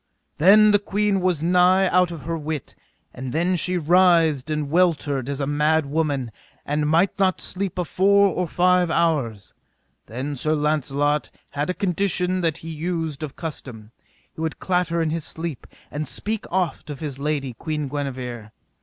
Then the queen was nigh out of her wit, and then she writhed and weltered as a mad woman, and might not sleep a four or five hours. Then Sir Launcelot had a condition that he used of custom, he would clatter in his sleep, and speak oft of his lady, Queen Guenever.